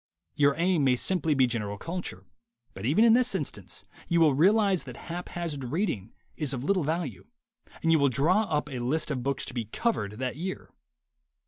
Your aim may simply be general culture, but even in this instance you will realize that haphazard reading is of little value, and you will draw up a list of books to be "covered" that year.